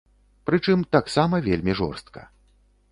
Прычым, таксама вельмі жорстка.